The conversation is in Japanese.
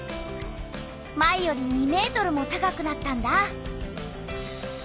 前より２ｍも高くなったんだ。